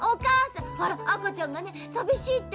あかちゃんがねさびしいって。